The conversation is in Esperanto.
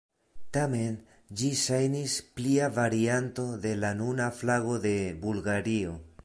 Tamen, ĝi ŝajnis plia varianto de la nuna flago de Bulgario.